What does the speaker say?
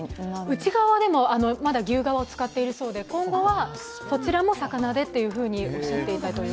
内側で牛革を使っているそうで、今後はそちらも魚でとおっしゃっていました。